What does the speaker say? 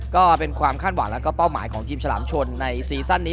ก็เป็นความคาดหวังแล้วก็เป้าหมายของทีมฉลามชนในซีซั่นนี้